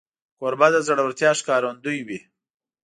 کوربه د زړورتیا ښکارندوی وي.